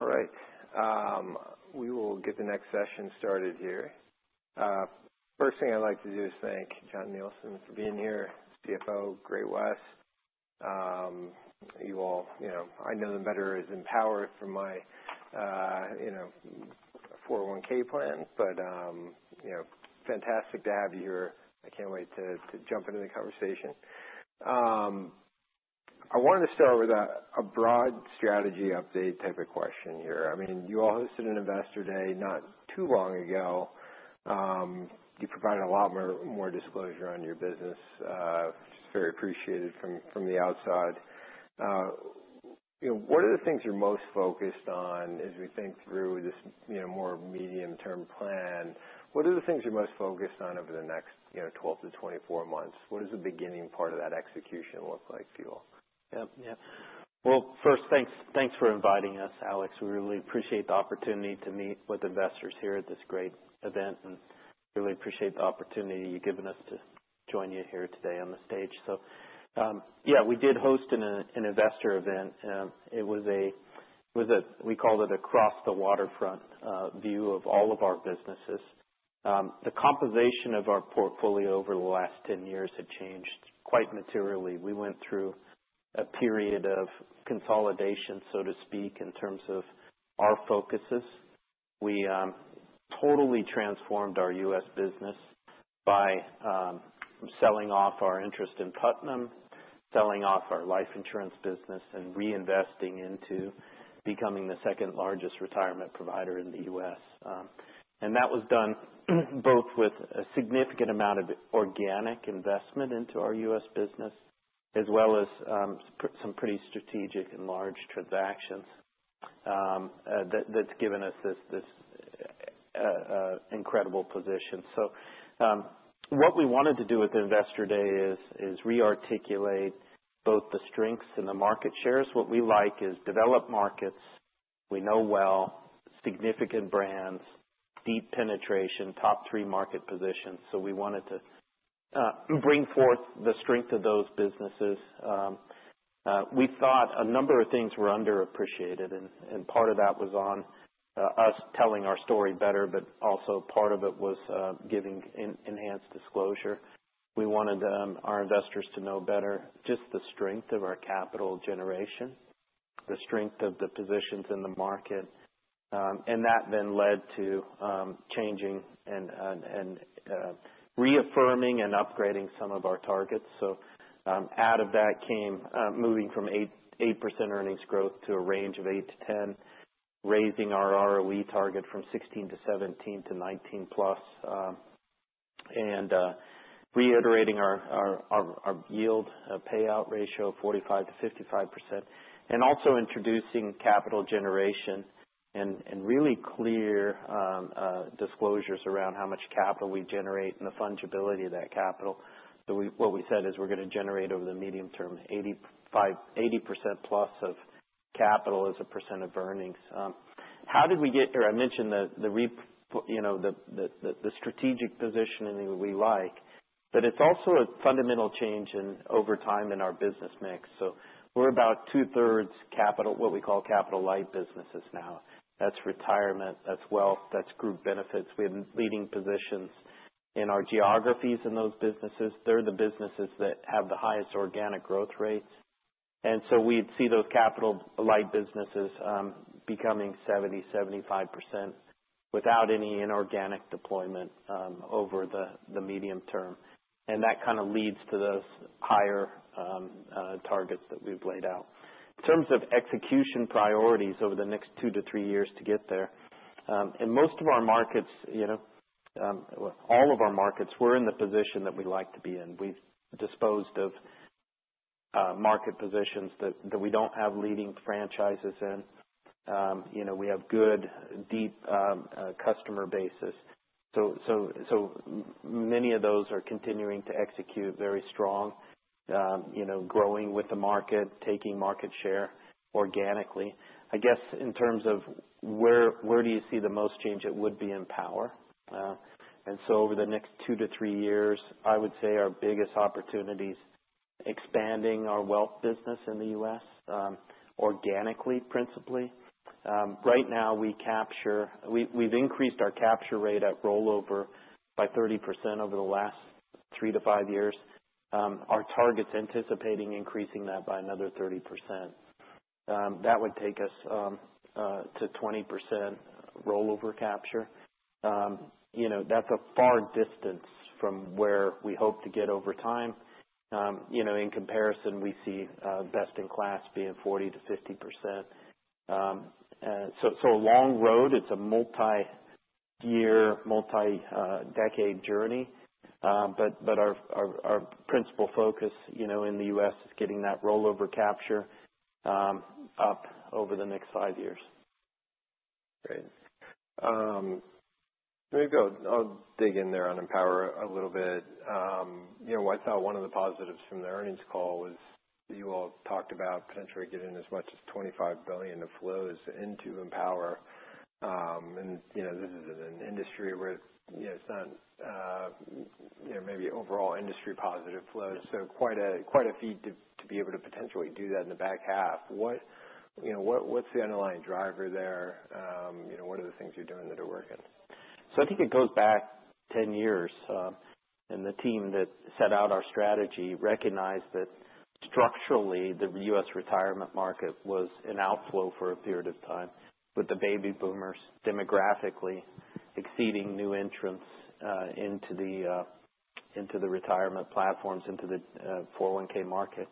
All right. We will get the next session started here. First thing I'd like to do is thank Jon Nielsen for being here, CFO Great-West. You all, you know, I know them better as Empower from my, you know, 401(k) plan. But, you know, fantastic to have you here. I can't wait to jump into the conversation. I wanted to start with a broad strategy update type of question here. I mean, you all hosted an Investor Day not too long ago. You provided a lot more disclosure on your business, which is very appreciated from the outside. You know, what are the things you're most focused on as we think through this, you know, more medium-term plan? What are the things you're most focused on over the next, you know, 12 to 24 months? What does the beginning part of that execution look like, for you? Yep. Yep. Well, first, thanks, thanks for inviting us, Alex. We really appreciate the opportunity to meet with investors here at this great event and really appreciate the opportunity you've given us to join you here today on the stage. So, yeah, we did host an investor event. It was a across the waterfront view of all of our businesses. The composition of our portfolio over the last 10 years had changed quite materially. We went through a period of consolidation, so to speak, in terms of our focuses. We totally transformed our U.S. business by selling off our interest in Putnam, selling off our life insurance business, and reinvesting into becoming the second-largest retirement provider in the U.S. And that was done both with a significant amount of organic investment into our U.S. business as well as some pretty strategic and large transactions that that's given us this incredible position. So what we wanted to do with Investor Day is re-articulate both the strengths and the market shares. What we like is developed markets we know well, significant brands, deep penetration, top-three market positions. So we wanted to bring forth the strength of those businesses. We thought a number of things were underappreciated, and part of that was on us telling our story better, but also part of it was giving enhanced disclosure. We wanted our investors to know better just the strength of our capital generation, the strength of the positions in the market. And that then led to changing and reaffirming and upgrading some of our targets. So, out of that came moving from 8% earnings growth to a range of 8%-10%, raising our ROE target from 16% to 17% to 19%+, and reiterating our yield payout ratio of 45%-55%, and also introducing capital generation and really clear disclosures around how much capital we generate and the fungibility of that capital. So what we said is we're gonna generate over the medium term 80%-85%+ of capital as a percent of earnings. How did we get there? I mentioned the, you know, the strategic position and the way we like, but it's also a fundamental change over time in our business mix. So we're about 2/3 capital light businesses now. That's retirement, that's wealth, that's group benefits. We have leading positions in our geographies in those businesses. They're the businesses that have the highest organic growth rates, and so we'd see those capital light businesses becoming 70%-75% without any inorganic deployment over the medium term, and that kinda leads to those higher targets that we've laid out. In terms of execution priorities over the next two to three years to get there, in most of our markets, you know, well, all of our markets, we're in the position that we like to be in. We've disposed of market positions that we don't have leading franchises in. You know, we have good, deep customer bases. So many of those are continuing to execute very strong, you know, growing with the market, taking market share organically. I guess in terms of where do you see the most change? It would be Empower. And so over the next two to three years, I would say our biggest opportunity's expanding our wealth business in the U.S., organically, principally. Right now, we capture, we've increased our capture rate at rollover by 30% over the last three to five years. Our target's anticipating increasing that by another 30%. That would take us to 20% rollover capture. You know, that's a far distance from where we hope to get over time. You know, in comparison, we see best in class being 40%-50%. So a long road. It's a multi-year, multi-decade journey. But our principal focus, you know, in the U.S. is getting that rollover capture up over the next five years. Great. Maybe I'll dig in there on Empower a little bit. You know, I thought one of the positives from the earnings call was that you all talked about potentially getting as much as $25 billion of flows into Empower. And, you know, this is an industry where, you know, it's not, you know, maybe overall industry positive flows. So quite a feat to be able to potentially do that in the back half. What, you know, what's the underlying driver there? You know, what are the things you're doing that are working? So I think it goes back 10 years. And the team that set out our strategy recognized that structurally the U.S. retirement market was in outflow for a period of time with the baby boomers demographically exceeding new entrants into the retirement platforms, into the 401(k) market.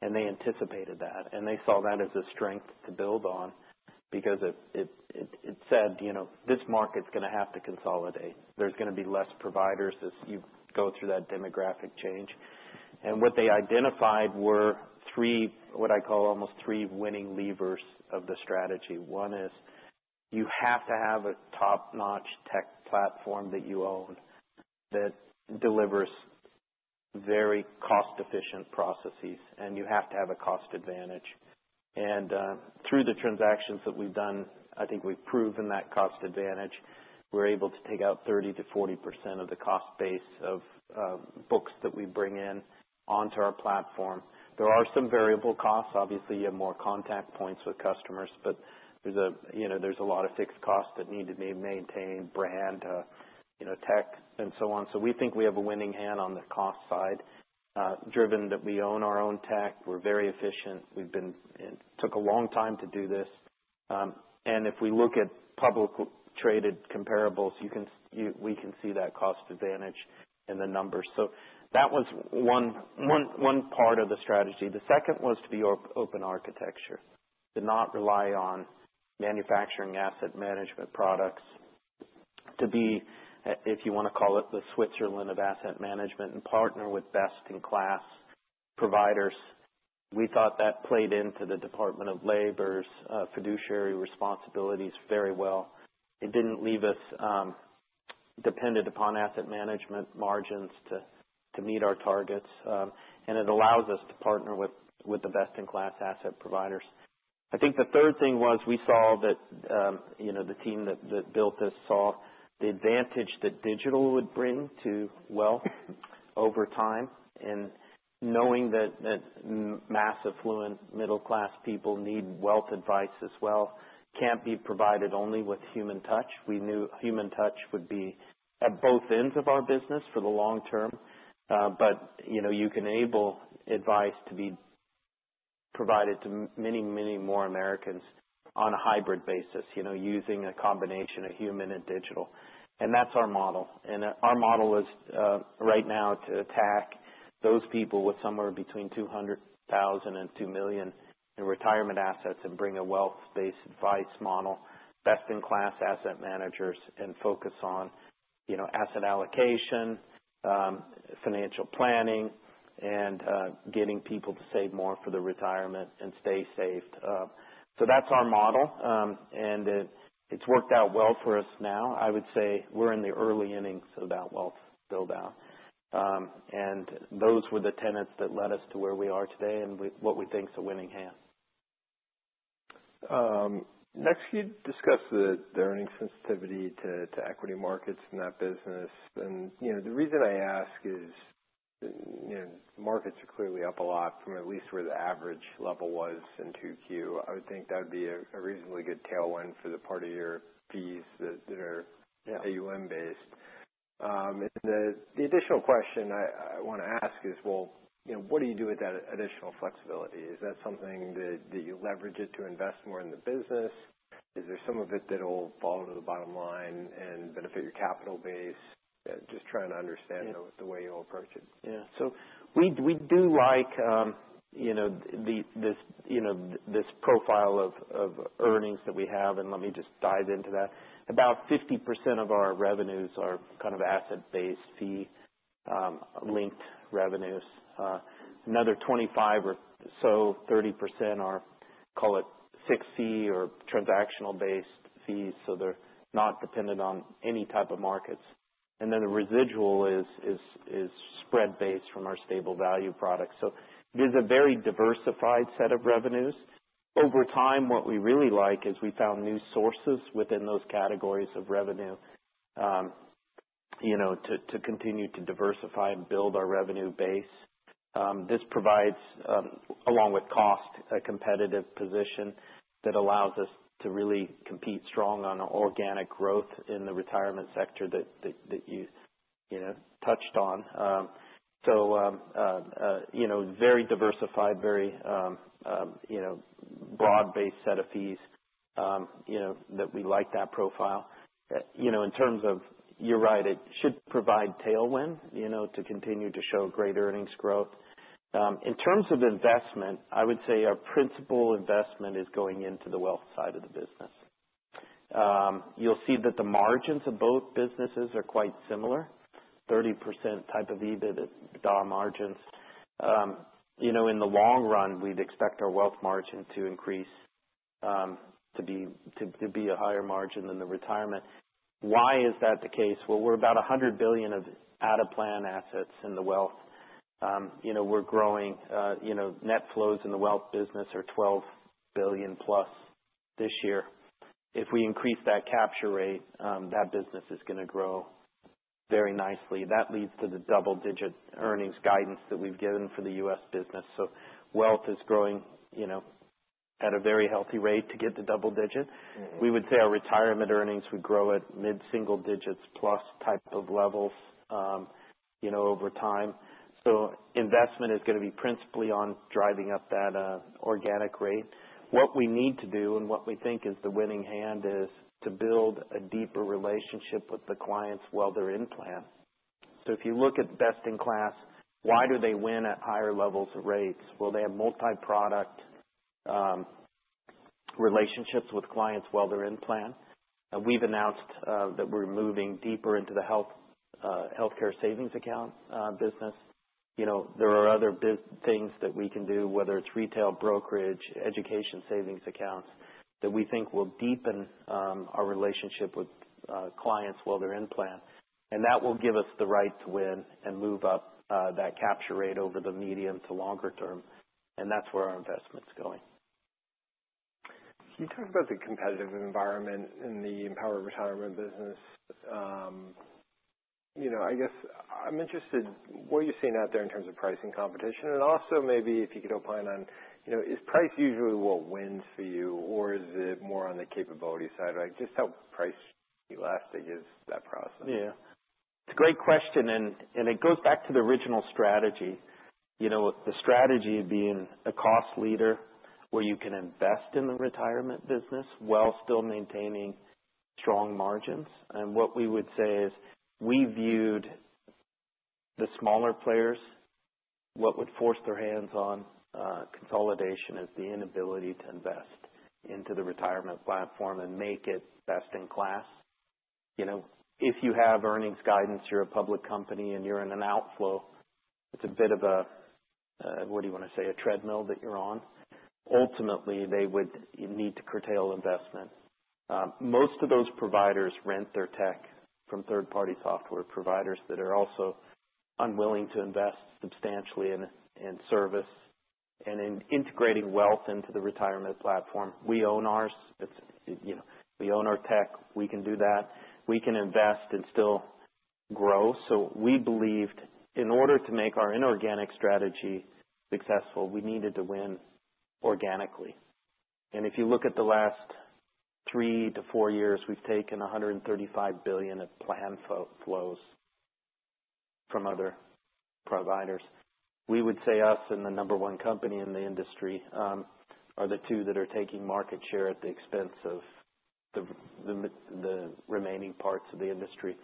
And they anticipated that. And they saw that as a strength to build on because it said, you know, this market's gonna have to consolidate. There's gonna be less providers as you go through that demographic change. And what they identified were three, what I call almost three winning levers of the strategy. One is you have to have a top-notch tech platform that you own that delivers very cost-efficient processes, and you have to have a cost advantage. And through the transactions that we've done, I think we've proven that cost advantage. We're able to take out 30%-40% of the cost base of books that we bring in onto our platform. There are some variable costs. Obviously, you have more contact points with customers, but there's a, you know, there's a lot of fixed costs that need to be maintained, brand, you know, tech, and so on. So we think we have a winning hand on the cost side, driven that we own our own tech. We're very efficient. It took a long time to do this. If we look at publicly traded comparables, you can see that cost advantage in the numbers. So that was one part of the strategy. The second was to be open architecture, to not rely on manufacturing asset management products, to be, if you wanna call it the Switzerland of asset management and partner with best-in-class providers. We thought that played into the Department of Labor's fiduciary responsibilities very well. It didn't leave us dependent upon asset management margins to meet our targets, and it allows us to partner with the best-in-class asset providers. I think the third thing was we saw that, you know, the team that built this saw the advantage that digital would bring to wealth over time, and knowing that mass affluent middle-class people need wealth advice as well can't be provided only with human touch. We knew human touch would be at both ends of our business for the long term. But, you know, you can enable advice to be provided to many, many more Americans on a hybrid basis, you know, using a combination of human and digital. And that's our model. Our model is, right now, to attack those people with somewhere between $200,000 and $2 million in retirement assets and bring a wealth-based advice model, best-in-class asset managers, and focus on, you know, asset allocation, financial planning, and getting people to save more for the retirement and stay safe. So that's our model. And it's worked out well for us now. I would say we're in the early innings of that wealth build-out. And those were the tenets that led us to where we are today and what we think's a winning hand. Next, could you discuss the earning sensitivity to equity markets in that business? And, you know, the reason I ask is, you know, markets are clearly up a lot from at least where the average level was in 2Q. I would think that'd be a reasonably good tailwind for the part of your fees that are. Yeah. AUM-based and the additional question I wanna ask is, well, you know, what do you do with that additional flexibility? Is that something that you leverage it to invest more in the business? Is there some of it that'll fall to the bottom line and benefit your capital base? Just trying to understand the way you'll approach it. Yeah. So we do like, you know, this profile of earnings that we have. And let me just dive into that. About 50% of our revenues are kind of asset-based fee-linked revenues. Another 25% or so 30% are, call it spread or transactional-based fees, so they're not dependent on any type of markets. And then the residual is spread-based from our stable value products. So it is a very diversified set of revenues. Over time, what we really like is we found new sources within those categories of revenue, you know, to continue to diversify and build our revenue base. This provides, along with cost, a competitive position that allows us to really compete strong on organic growth in the retirement sector that you know, touched on. So, you know, very diversified, very, you know, broad-based set of fees, you know, that we like that profile. You know, in terms of you're right, it should provide tailwind, you know, to continue to show great earnings growth. In terms of investment, I would say our principal investment is going into the wealth side of the business. You'll see that the margins of both businesses are quite similar, 30% type of EBITDA margins. You know, in the long run, we'd expect our wealth margin to increase, to be a higher margin than the retirement. Why is that the case? Well, we're about 100 billion of out-of-plan assets in the wealth. You know, we're growing, you know, net flows in the wealth business are $12 billion plus this year. If we increase that capture rate, that business is gonna grow very nicely. That leads to the double-digit earnings guidance that we've given for the US business. So wealth is growing, you know, at a very healthy rate to get the double digit. We would say our retirement earnings would grow at mid-single digits plus type of levels, you know, over time. So investment is gonna be principally on driving up that organic rate. What we need to do and what we think is the winning hand is to build a deeper relationship with the clients while they're in plan. So if you look at best in class, why do they win at higher levels of rates? Well, they have multi-product relationships with clients while they're in plan. And we've announced that we're moving deeper into the health savings account business. You know, there are other biz things that we can do, whether it's retail brokerage, education savings accounts that we think will deepen our relationship with clients while they're in plan. And that will give us the right to win and move up, that capture rate over the medium to longer term. And that's where our investment's going. Can you talk about the competitive environment in the Empower retirement business? You know, I guess I'm interested what are you seeing out there in terms of pricing competition? And also maybe if you could opine on, you know, is price usually what wins for you, or is it more on the capability side? Like, just how price elastic is that process? Yeah. It's a great question. And, and it goes back to the original strategy, you know, with the strategy being a cost leader where you can invest in the retirement business while still maintaining strong margins. And what we would say is we viewed the smaller players. What would force their hands on consolidation is the inability to invest into the retirement platform and make it best in class. You know, if you have earnings guidance, you're a public company, and you're in an outflow, it's a bit of a, what do you wanna say, a treadmill that you're on. Ultimately, they would need to curtail investment. Most of those providers rent their tech from third-party software providers that are also unwilling to invest substantially in, in service. And in integrating wealth into the retirement platform, we own ours. It's, you know, we own our tech. We can do that. We can invest and still grow. So we believed in order to make our inorganic strategy successful, we needed to win organically. And if you look at the last three to four years, we've taken $135 billion of plan flows from other providers. We would say us and the number one company in the industry are the two that are taking market share at the expense of the remaining parts of the industry.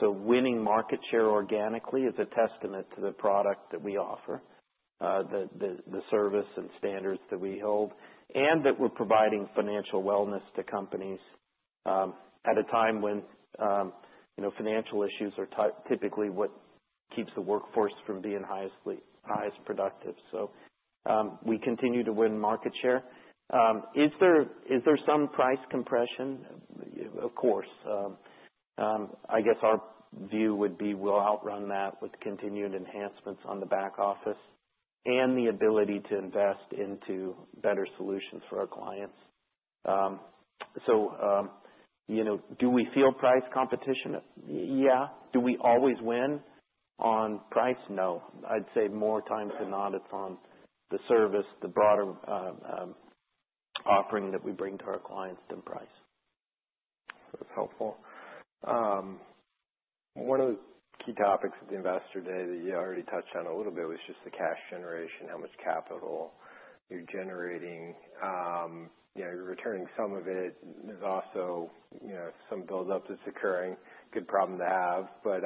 So winning market share organically is a testament to the product that we offer, the service and standards that we hold and that we're providing financial wellness to companies, at a time when, you know, financial issues are typically what keeps the workforce from being highly productive. So we continue to win market share. Is there some price compression? Of course. I guess our view would be we'll outrun that with continued enhancements on the back office and the ability to invest into better solutions for our clients. So, you know, do we feel price competition? Yeah. Do we always win on price? No. I'd say more times than not, it's on the service, the broader offering that we bring to our clients than price. That's helpful. One of the key topics of the investor day that you already touched on a little bit was just the cash generation, how much capital you're generating. You know, you're returning some of it. There's also, you know, some build-up that's occurring. Good problem to have. But,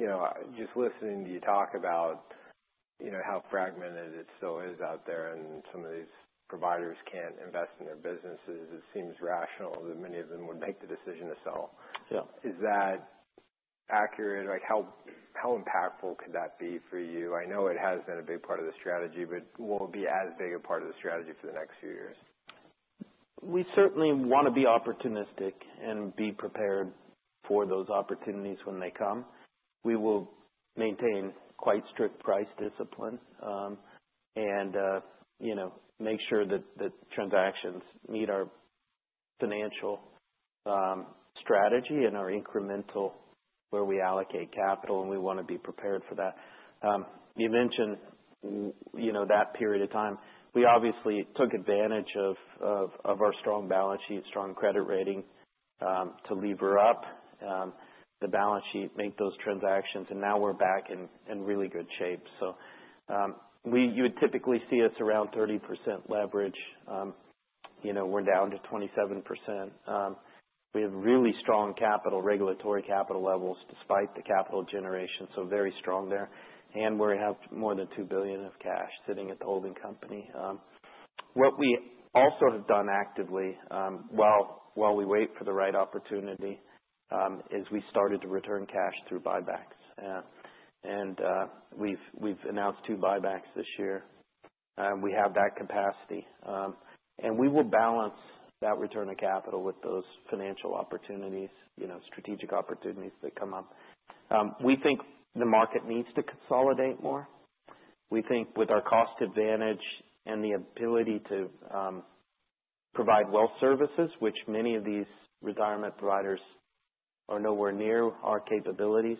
you know, just listening to you talk about, you know, how fragmented it still is out there and some of these providers can't invest in their businesses, it seems rational that many of them would make the decision to sell. Yeah. Is that accurate? Like, how impactful could that be for you? I know it has been a big part of the strategy, but will it be as big a part of the strategy for the next few years? We certainly wanna be opportunistic and be prepared for those opportunities when they come. We will maintain quite strict price discipline, and, you know, make sure that the transactions meet our financial strategy and our incremental where we allocate capital. And we wanna be prepared for that. You mentioned, you know, that period of time. We obviously took advantage of our strong balance sheet, strong credit rating, to lever up the balance sheet, make those transactions. And now we're back in really good shape. So, you would typically see us around 30% leverage. You know, we're down to 27%. We have really strong capital, regulatory capital levels despite the capital generation, so very strong there. And we have more than $2 billion of cash sitting at the holding company. What we also have done actively, while we wait for the right opportunity, is we started to return cash through buybacks. We've announced two buybacks this year. We have that capacity. We will balance that return of capital with those financial opportunities, you know, strategic opportunities that come up. We think the market needs to consolidate more. We think with our cost advantage and the ability to provide wealth services, which many of these retirement providers are nowhere near our capabilities,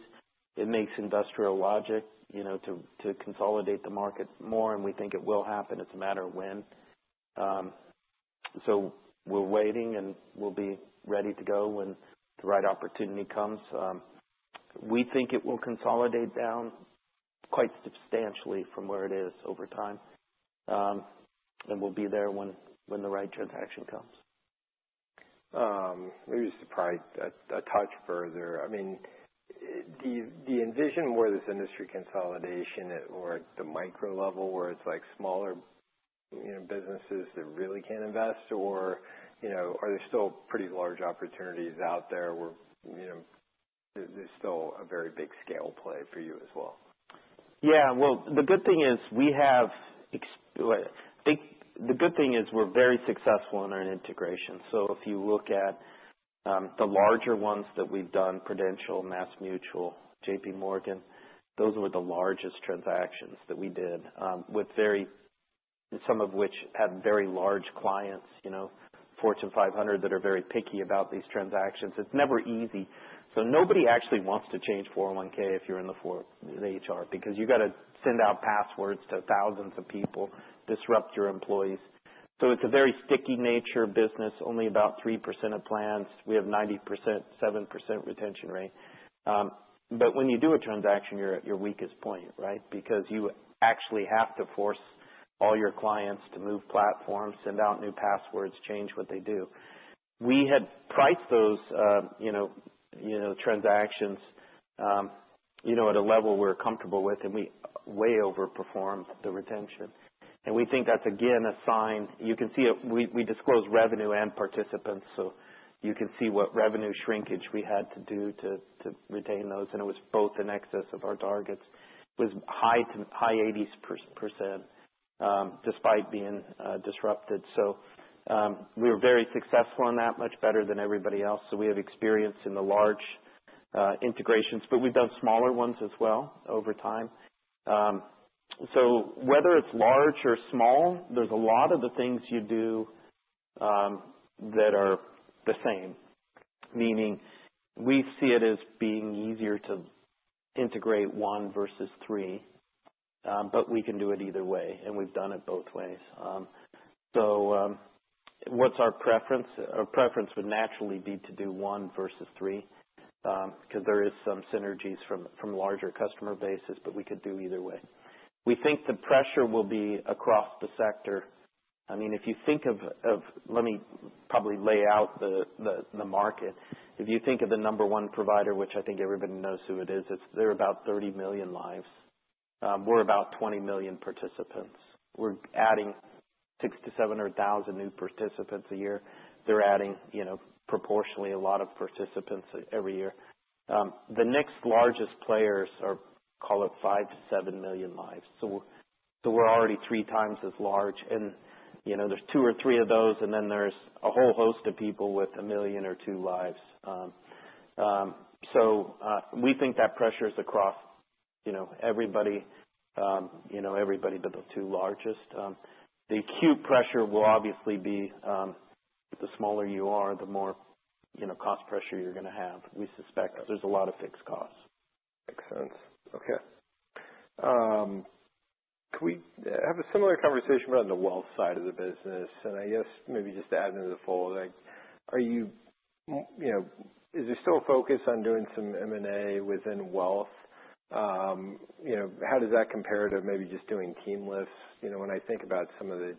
it makes industrial logic, you know, to consolidate the market more. We think it will happen. It's a matter of when. We're waiting, and we'll be ready to go when the right opportunity comes. We think it will consolidate down quite substantially from where it is over time. We'll be there when the right transaction comes. Maybe just to pry a touch further. I mean, do you envision more of this industry consolidation at, like, the micro level where it's like smaller, you know, businesses that really can't invest? Or, you know, are there still pretty large opportunities out there where, you know, there's still a very big scale play for you as well? Yeah. Well, the good thing is, I think the good thing is we're very successful in our integration. So if you look at the larger ones that we've done, Prudential, MassMutual, J.P. Morgan, those were the largest transactions that we did, some of which had very large clients, you know, Fortune 500 that are very picky about these transactions. It's never easy. So nobody actually wants to change 401(k) if you're in the Fortune HR because you gotta send out passwords to thousands of people, disrupt your employees. So it's a very sticky nature of business, only about 3% of plans. We have 97% retention rate. But when you do a transaction, you're at your weakest point, right, because you actually have to force all your clients to move platforms, send out new passwords, change what they do. We had priced those, you know, you know, transactions, you know, at a level we're comfortable with, and we way overperformed the retention, and we think that's, again, a sign. You can see it. We disclose revenue and participants, so you can see what revenue shrinkage we had to do to retain those. And it was both in excess of our targets. It was high- to high-80s %, despite being disrupted, so we were very successful in that, much better than everybody else, so we have experience in the large integrations, but we've done smaller ones as well over time, so whether it's large or small, there's a lot of the things you do that are the same, meaning we see it as being easier to integrate one versus three, but we can do it either way. And we've done it both ways, so what's our preference? Our preference would naturally be to do one versus three, 'cause there is some synergies from larger customer bases, but we could do either way. We think the pressure will be across the sector. I mean, if you think of, let me probably lay out the market. If you think of the number one provider, which I think everybody knows who it is, it's they're about 30 million lives. We're about 20 million participants. We're adding 600,000-700,000 new participants a year. They're adding, you know, proportionally a lot of participants every year. The next largest players are, call it, 5-7 million lives. So we're already three times as large. You know, there's two or three of those, and then there's a whole host of people with a million or two lives. We think that pressure is across, you know, everybody, you know, everybody but the two largest. The acute pressure will obviously be the smaller you are, the more, you know, cost pressure you're gonna have. We suspect there's a lot of fixed costs. Makes sense. Okay. Can we have a similar conversation about the wealth side of the business? And I guess maybe just to add into the fold, like, are you, you know, is there still a focus on doing some M&A within wealth? You know, how does that compare to maybe just doing team hires? You know, when I think about some of the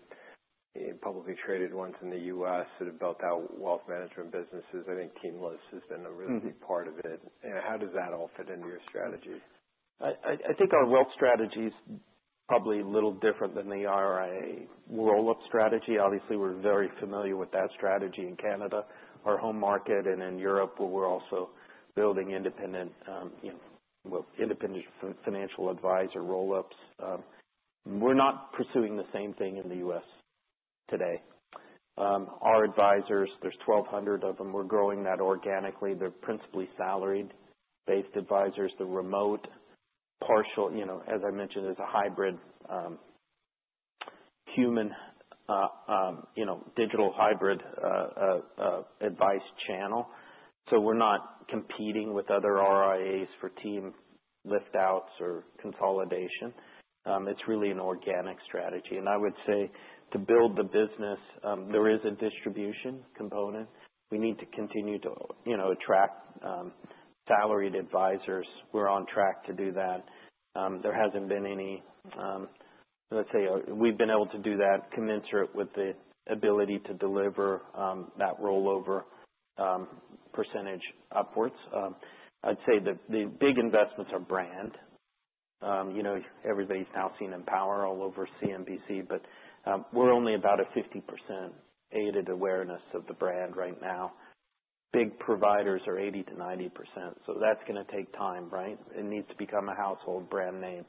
publicly traded ones in the U.S. that have built out wealth management businesses, I think team hires has been a really big part of it. And how does that all fit into your strategy? I think our wealth strategy's probably a little different than the IRA roll-up strategy. Obviously, we're very familiar with that strategy in Canada, our home market, and in Europe, we're also building independent, you know, well, independent financial advisor roll-ups. We're not pursuing the same thing in the U.S. today. Our advisors, there's 1,200 of them. We're growing that organically. They're principally salaried-based advisors. The remote partial, you know, as I mentioned, is a hybrid, human, you know, digital hybrid, advice channel, so we're not competing with other RIAs for team liftouts or consolidation. It's really an organic strategy, and I would say to build the business, there is a distribution component. We need to continue to, you know, attract salaried advisors. We're on track to do that. There hasn't been any, let's say, we've been able to do that commensurate with the ability to deliver that rollover percentage upwards. I'd say the big investments are brand. You know, everybody's now seen Empower all over CNBC, but we're only about a 50% aided awareness of the brand right now. Big providers are 80%-90%. So that's gonna take time, right? It needs to become a household brand name.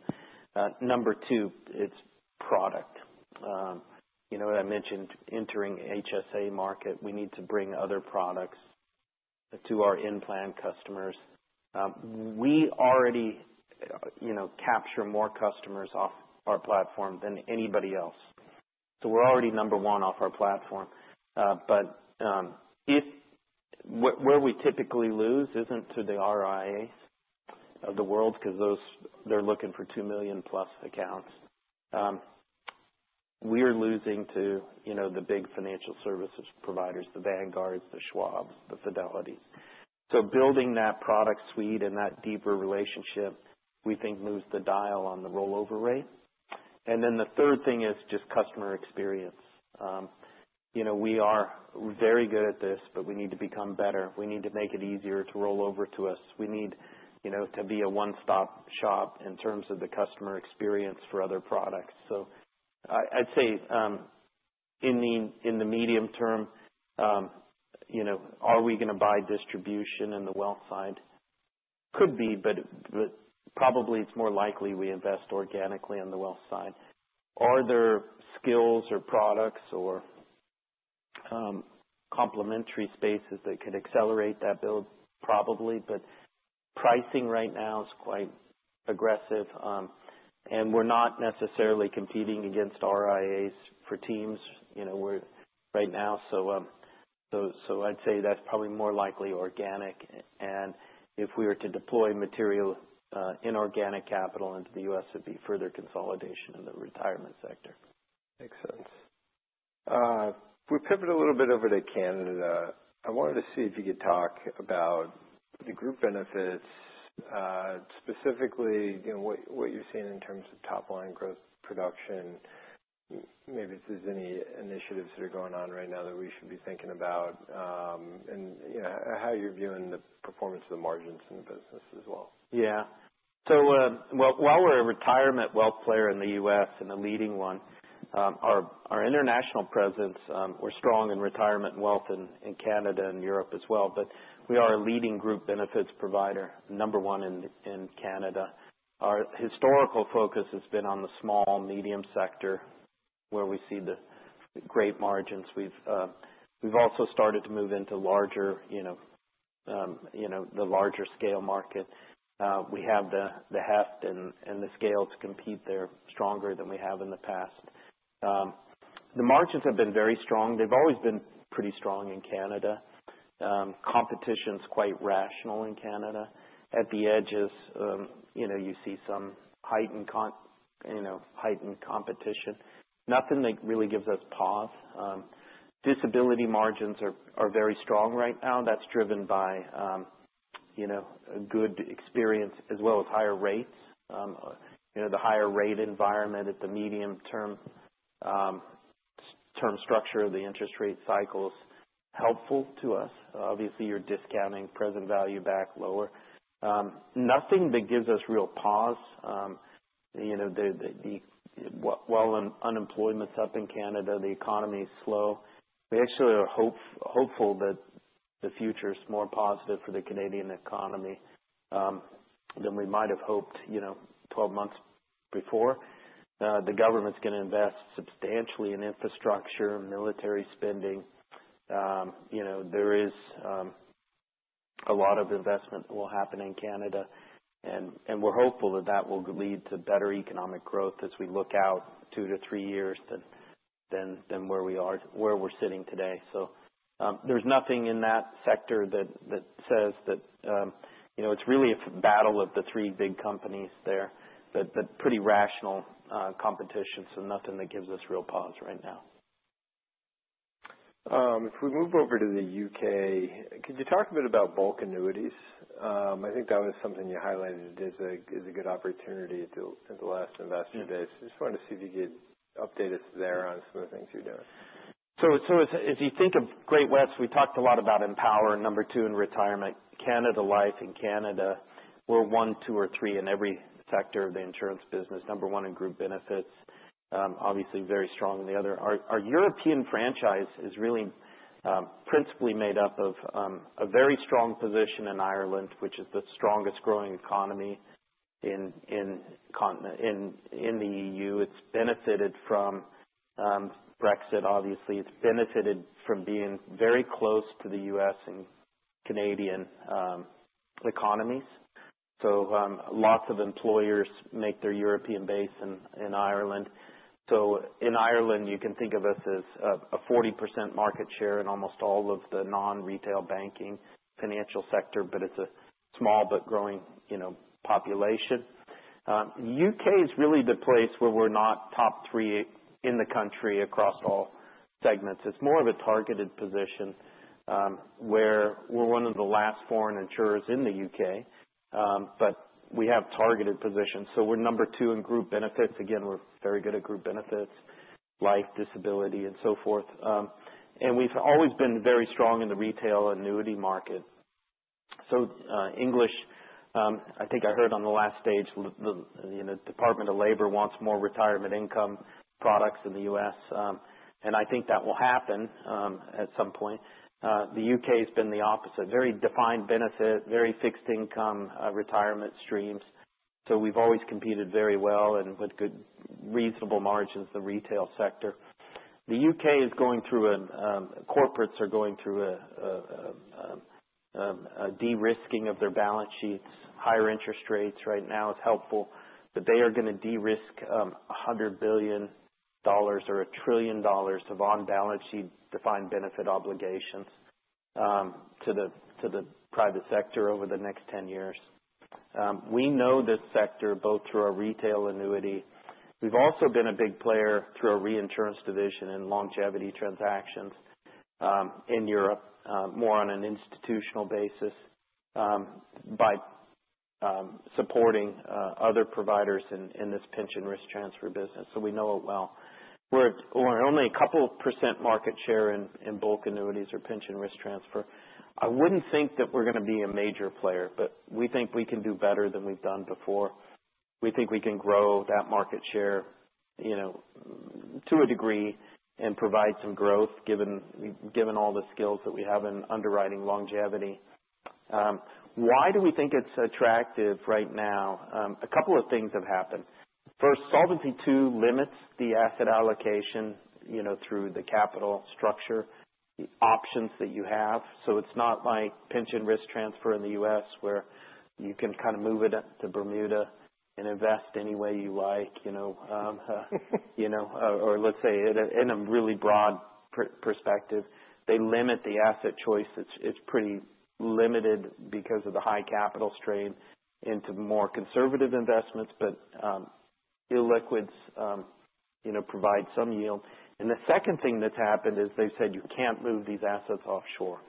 Number two, it's product. You know, I mentioned entering HSA market. We need to bring other products to our in-plan customers. We already, you know, capture more customers off our platform than anybody else. So we're already number one off our platform. But if where we typically lose isn't to the RIAs of the world 'cause those they're looking for two million-plus accounts. We're losing to, you know, the big financial services providers, the Vanguard, the Schwab, the Fidelity. So building that product suite and that deeper relationship, we think moves the dial on the rollover rate. And then the third thing is just customer experience. You know, we are very good at this, but we need to become better. We need to make it easier to roll over to us. We need, you know, to be a one-stop shop in terms of the customer experience for other products. So I, I'd say, in the medium term, you know, are we gonna buy distribution in the wealth side? Could be, but probably it's more likely we invest organically on the wealth side. Are there skills or products or complementary spaces that could accelerate that build? Probably. But pricing right now is quite aggressive. And we're not necessarily competing against RIAs for teams, you know, we're right now. So, I'd say that's probably more likely organic. And if we were to deploy material, inorganic capital into the U.S., it'd be further consolidation in the retirement sector. Makes sense. We pivoted a little bit over to Canada. I wanted to see if you could talk about the group benefits, specifically, you know, what you're seeing in terms of top-line growth production, maybe if there's any initiatives that are going on right now that we should be thinking about, and, you know, how you're viewing the performance of the margins in the business as well. Yeah. So, well, while we're a retirement wealth player in the U.S. and a leading one, our international presence, we're strong in retirement wealth in Canada and Europe as well. But we are a leading group benefits provider, number one in Canada. Our historical focus has been on the small, medium sector where we see the great margins. We've also started to move into larger, you know, the larger scale market. We have the heft and the scale to compete there stronger than we have in the past. The margins have been very strong. They've always been pretty strong in Canada. Competition's quite rational in Canada. At the edges, you know, you see some heightened competition. Nothing that really gives us pause. Disability margins are very strong right now. That's driven by, you know, a good experience as well as higher rates. You know, the higher rate environment at the medium-term term structure of the interest rate cycle's helpful to us. Obviously, you're discounting present value back lower. Nothing that gives us real pause. You know, the world. Well, unemployment's up in Canada. The economy's slow. We actually are hopeful that the future's more positive for the Canadian economy than we might've hoped, you know, 12 months before. The government's gonna invest substantially in infrastructure, military spending. You know, there is a lot of investment that will happen in Canada. And we're hopeful that that will lead to better economic growth as we look out two to three years than where we are, where we're sitting today. So, there's nothing in that sector that says that, you know, it's really a battle of the three big companies there, but pretty rational competition. So nothing that gives us real pause right now. If we move over to the U.K., could you talk a bit about bulk annuities? I think that was something you highlighted as a good opportunity to the last investor days. I just wanted to see if you could update us there on some of the things you're doing. So when you think of Great-West, we talked a lot about Empower, number two, and retirement. Canada Life in Canada, we're one, two, or three in every sector of the insurance business. Number one in group benefits, obviously very strong in the other. Our European franchise is really principally made up of a very strong position in Ireland, which is the strongest growing economy in the E.U. It's benefited from Brexit, obviously. It's benefited from being very close to the U.S. and Canadian economies. So lots of employers make their European base in Ireland. So in Ireland, you can think of us as a 40% market share in almost all of the non-retail banking financial sector, but it's a small but growing, you know, population. The U.K. is really the place where we're not top three in the country across all segments. It's more of a targeted position, where we're one of the last foreign insurers in the U.K. But we have targeted positions. So we're number two in group benefits. Again, we're very good at group benefits, life, disability, and so forth and we've always been very strong in the retail annuity market. So, in English, I think I heard on the last stage, the you know, Department of Labor wants more retirement income products in the U.S., and I think that will happen at some point. The U.K. has been the opposite. Very defined benefit, very fixed income, retirement streams. So we've always competed very well and with good, reasonable margins, the retail sector. The U.K. is going through. Corporates are going through a de-risking of their balance sheets. Higher interest rates right now is helpful, but they are gonna de-risk $100 billion or $1 trillion of on-balance sheet defined benefit obligations to the private sector over the next 10 years. We know this sector both through our retail annuity. We've also been a big player through our reinsurance division and longevity transactions in Europe, more on an institutional basis by supporting other providers in this pension risk transfer business. So we know it well. We're only a couple percent market share in bulk annuities or pension risk transfer. I wouldn't think that we're gonna be a major player, but we think we can do better than we've done before. We think we can grow that market share, you know, to a degree and provide some growth given all the skills that we have in underwriting longevity. Why do we think it's attractive right now? A couple of things have happened. First, Solvency II limits the asset allocation, you know, through the capital structure, the options that you have. So it's not like pension risk transfer in the U.S. where you can kinda move it to Bermuda and invest any way you like, you know, you know, or, or let's say in a, in a really broad perspective. They limit the asset choice. It's, it's pretty limited because of the high capital strain into more conservative investments, but, illiquids, you know, provide some yield. And the second thing that's happened is they've said you can't move these assets offshore.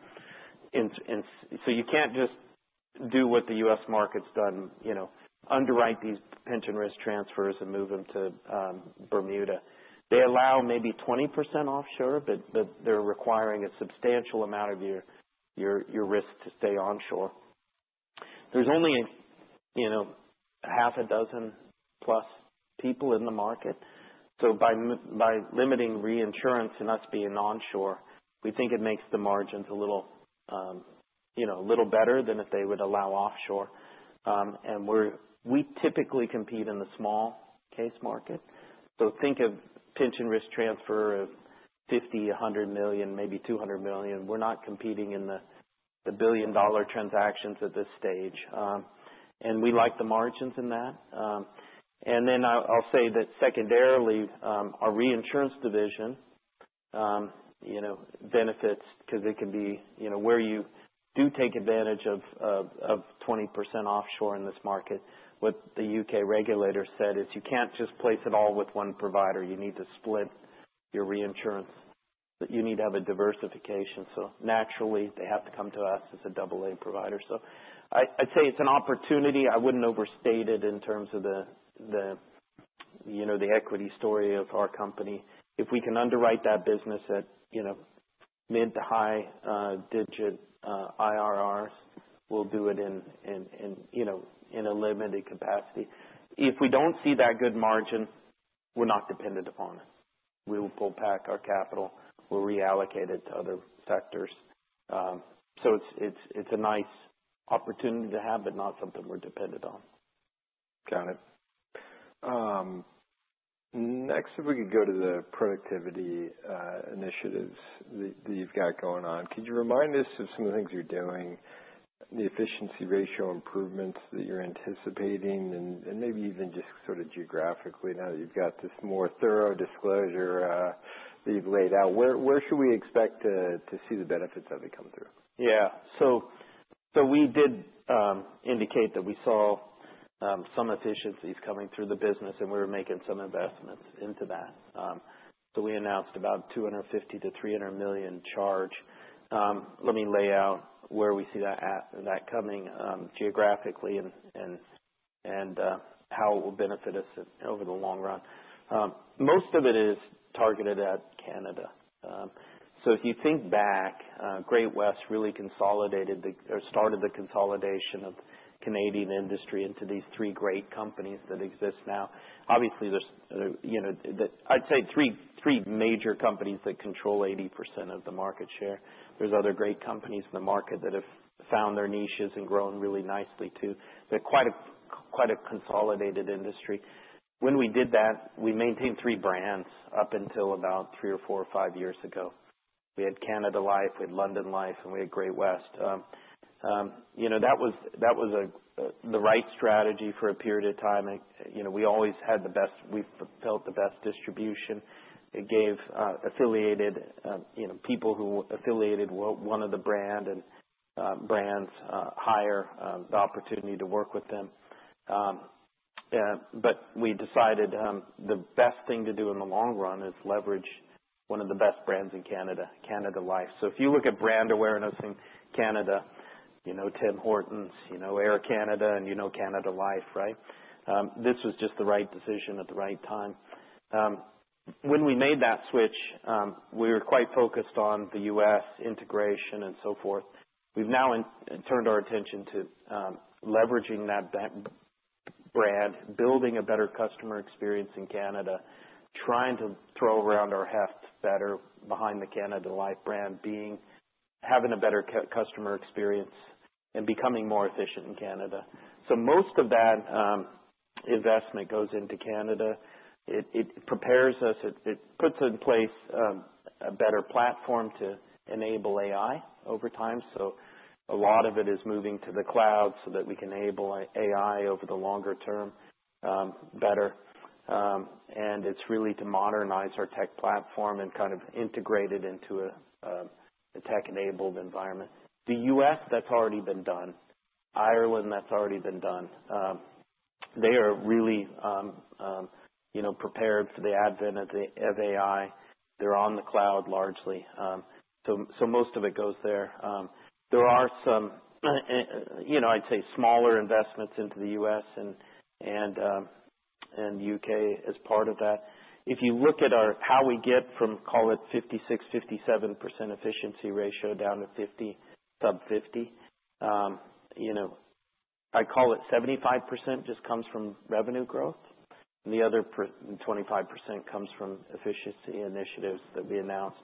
And, and so you can't just do what the U.S. market's done, you know, underwrite these pension risk transfers and move them to, Bermuda. They allow maybe 20% offshore, but they're requiring a substantial amount of your risk to stay onshore. There's only, you know, half a dozen-plus people in the market. So by limiting reinsurance and us being onshore, we think it makes the margins a little, you know, a little better than if they would allow offshore, and we typically compete in the small-case market, so think of pension risk transfer of $50-100 million, maybe $200 million. We're not competing in the billion-dollar transactions at this stage, and we like the margins in that, and then I'll say that secondarily, our reinsurance division, you know, benefits 'cause it can be, you know, where you do take advantage of 20% offshore in this market. What the U.K. regulator said is you can't just place it all with one provider. You need to split your reinsurance. You need to have a diversification. Naturally, they have to come to us as a AA provider. I'd say it's an opportunity. I wouldn't overstate it in terms of the you know the equity story of our company. If we can underwrite that business at you know mid- to high-digit IRRs, we'll do it in you know in a limited capacity. If we don't see that good margin, we're not dependent upon it. We will pull back our capital. We'll reallocate it to other sectors, so it's a nice opportunity to have, but not something we're dependent on. Got it. Next, if we could go to the productivity initiatives that you've got going on, could you remind us of some of the things you're doing, the efficiency ratio improvements that you're anticipating, and maybe even just sort of geographically now that you've got this more thorough disclosure that you've laid out, where should we expect to see the benefits of it come through? Yeah. So we did indicate that we saw some efficiencies coming through the business, and we were making some investments into that. So we announced about 250 million-300 million charge. Let me lay out where we see that coming geographically and how it will benefit us over the long run. Most of it is targeted at Canada. So if you think back, Great-West really consolidated or started the consolidation of Canadian industry into these three great companies that exist now. Obviously, there's you know the I'd say three major companies that control 80% of the market share. There's other great companies in the market that have found their niches and grown really nicely too. They're quite a consolidated industry. When we did that, we maintained three brands up until about three or four or five years ago. We had Canada Life, we had London Life, and we had Great-West. You know, that was the right strategy for a period of time. You know, we always had the best. We felt the best distribution. It gave affiliated people, you know, who were affiliated with one of the brands higher opportunity to work with them. But we decided the best thing to do in the long run is leverage one of the best brands in Canada, Canada Life. So if you look at brand awareness in Canada, you know, Tim Hortons, you know, Air Canada, and you know Canada Life, right? This was just the right decision at the right time. When we made that switch, we were quite focused on the U.S. integration and so forth. We've now turned our attention to leveraging that brand, building a better customer experience in Canada, trying to throw around our heft better behind the Canada Life brand, having a better customer experience and becoming more efficient in Canada. So most of that investment goes into Canada. It prepares us. It puts in place a better platform to enable AI over time. So a lot of it is moving to the cloud so that we can enable AI over the longer term, better. And it's really to modernize our tech platform and kind of integrate it into a tech-enabled environment. The U.S., that's already been done. Ireland, that's already been done. They are really, you know, prepared for the advent of AI. They're on the cloud largely. So most of it goes there. There are some, you know, I'd say smaller investments into the U.S. and U.K. as part of that. If you look at our how we get from, call it 56%-57% efficiency ratio down to 50%, sub-50, you know, I call it 75% just comes from revenue growth. The other 25% comes from efficiency initiatives that we announced.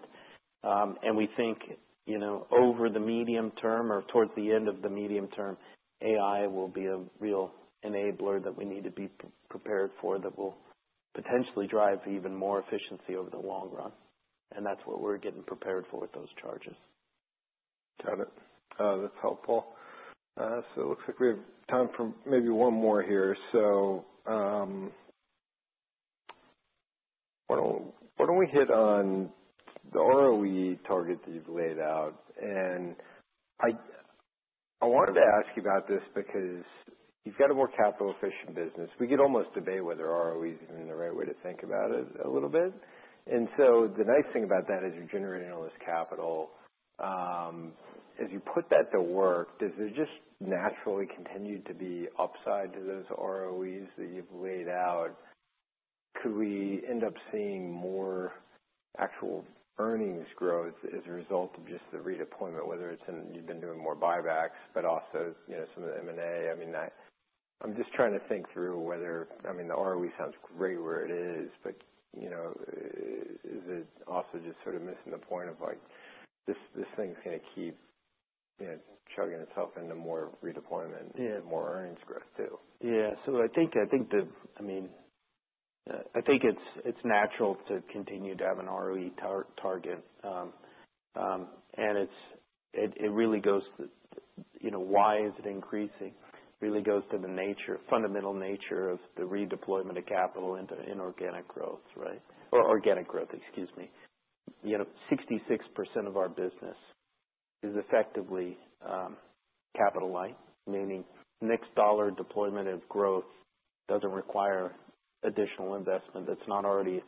We think, you know, over the medium term or towards the end of the medium term, AI will be a real enabler that we need to be prepared for that will potentially drive even more efficiency over the long run. And that's what we're getting prepared for with those charges. Got it. That's helpful. So it looks like we have time for maybe one more here. So, why don't we hit on the ROE target that you've laid out? And I wanted to ask you about this because you've got a more capital-efficient business. We could almost debate whether ROE's even the right way to think about it a little bit. And so the nice thing about that is you're generating all this capital. As you put that to work, does it just naturally continue to be upside to those ROEs that you've laid out? Could we end up seeing more actual earnings growth as a result of just the redeployment, whether it's in you've been doing more buybacks, but also, you know, some of the M&A? I mean, I'm just trying to think through whether, I mean, the ROE sounds great where it is, but, you know, is it also just sort of missing the point of like this, this thing's gonna keep, you know, chugging itself into more redeployment and more earnings growth too? Yeah. So I think the, I mean, I think it's natural to continue to have an ROE target. And it really goes, you know, to why it's increasing. It really goes to the fundamental nature of the redeployment of capital into inorganic growth, right? Or organic growth, excuse me. You know, 66% of our business is effectively capital light, meaning next dollar deployment of growth doesn't require additional investment that's not already,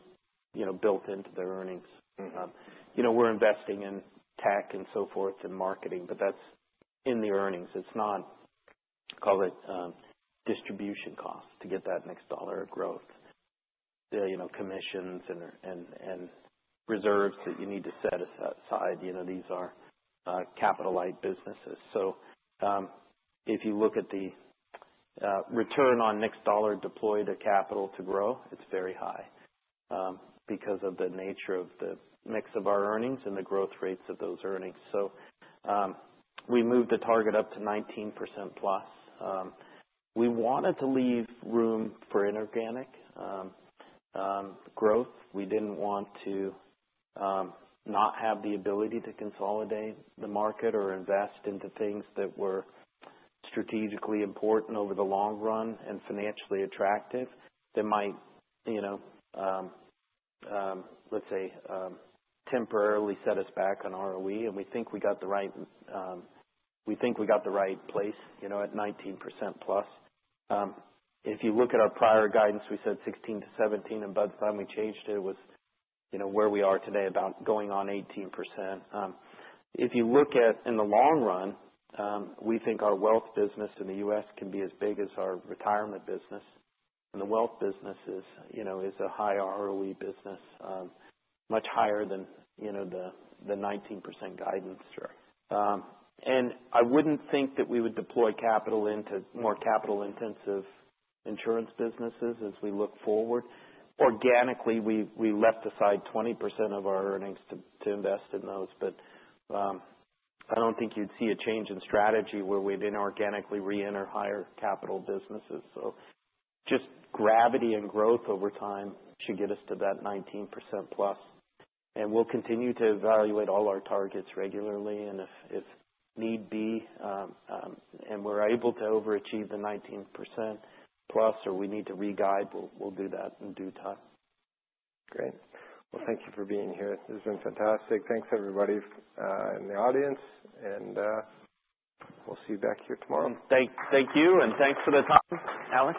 you know, built into their earnings. You know, we're investing in tech and so forth and marketing, but that's in the earnings. It's not, call it, distribution costs to get that next dollar of growth, you know, commissions and reserves that you need to set aside. You know, these are capital light businesses. So, if you look at the return on next dollar deployed of capital to grow, it's very high, because of the nature of the mix of our earnings and the growth rates of those earnings. So, we moved the target up to 19%+. We wanted to leave room for inorganic growth. We didn't want to not have the ability to consolidate the market or invest into things that were strategically important over the long run and financially attractive that might, you know, let's say, temporarily set us back on ROE. And we think we got the right, we think we got the right place, you know, at 19%+. If you look at our prior guidance, we said 16%-17%, and we've finally changed it. It was, you know, where we are today about going on 18%. If you look at in the long run, we think our wealth business in the U.S. can be as big as our retirement business. And the wealth business is, you know, a high ROE business, much higher than, you know, the 19% guidance. Sure. And I wouldn't think that we would deploy capital into more capital-intensive insurance businesses as we look forward. Organically, we left aside 20% of our earnings to invest in those. But I don't think you'd see a change in strategy where we'd inorganically re-enter higher capital businesses. So just gravity and growth over time should get us to that 19%+. And we'll continue to evaluate all our targets regularly. And if need be, and we're able to overachieve the 19%+ or we need to re-guide, we'll do that in due time. Great. Well, thank you for being here. This has been fantastic. Thanks, everybody, in the audience. And we'll see you back here tomorrow. Thank you. Thanks for the time, Alex.